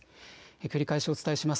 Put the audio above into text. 繰り返しお伝えします。